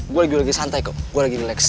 gue lagi santai kok gue lagi relax